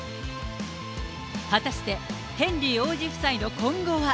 果たして、ヘンリー王子夫妻の今後は。